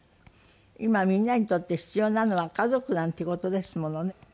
今みんなにとって必要なのは家族なんていう事ですものね。